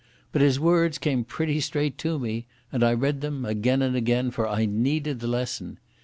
But his words came pretty straight to me, and I read them again and again, for I needed the lesson.